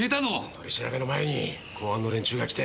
取り調べの前に公安の連中が来て。